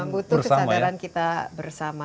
butuh kesadaran kita bersama